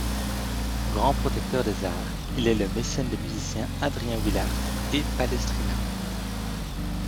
Grand protecteur des arts, il est le mécène des musiciens Adrien Willaert et Palestrina.